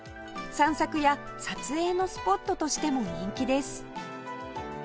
散策や撮影のスポットとしても人気です